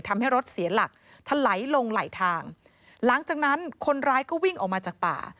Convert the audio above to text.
ทำให้รถเสียหลักทะไหลลงไหลทางหลังจากนั้นคนร้ายก็วิ่งออกมาจากป่า